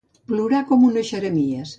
Plorar com unes xeremies.